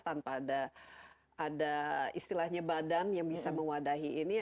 tanpa ada istilahnya badan yang bisa mewadahi ini